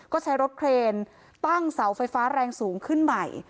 ก็ใช้รถเครนตั้งเสาไฟฟ้าแรงสูงขึ้นใหม่